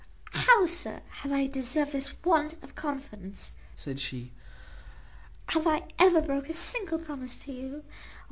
"How, sir, have I deserved this want of confidence?" said she; "have I ever broke a single promise to you?